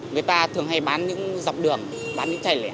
người ta thường hay bán những dọc đường bán những chày lẻ